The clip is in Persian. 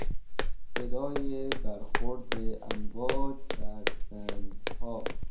صدای برخورد امواج بر سنگها